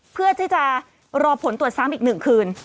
เพื่อที่จะรอผลตรวจซ้ำอีก๑คืน